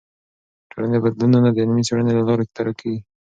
ټولنې بدلونونه د علمي څیړنو له لارې درک کیږي.